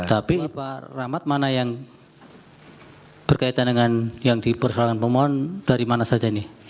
tapi pak rahmat mana yang berkaitan dengan yang dipersoalkan pemohon dari mana saja ini